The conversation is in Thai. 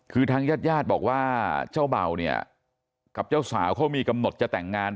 คือทางญาติญาติบอกว่าเจ้าเบ่าเนี่ยกับเจ้าสาวเขามีกำหนดจะแต่งงาน